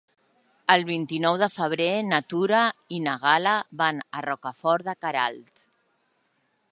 El vint-i-nou de febrer na Tura i na Gal·la van a Rocafort de Queralt.